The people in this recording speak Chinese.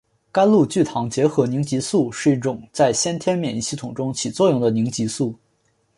甘露聚糖结合凝集素是一种在先天免疫系统中起作用的凝集素。